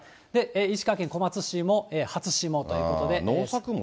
石川県小松市も小松市も初霜ということで。